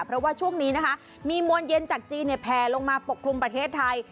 เพราะว่าช่วงนี้นะคะมีมวลเย็นจากจีนแผลลงมาปกคลุมประเทศไทย